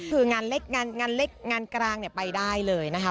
คืองานเล็กการางไปได้เลยนะคะ